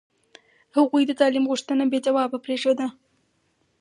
هغوی د تعلیم غوښتنه بې ځوابه پرېښوده.